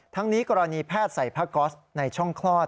ทั้งนี้กรณีแพทย์ใส่ผ้าก๊อสในช่องคลอด